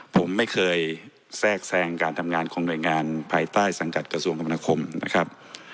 ผมไม่เคยแทรกแทรงการทำงานของหน่วยงานภายใต้สังกัดกระทรวงกรรมนาคมนะครับ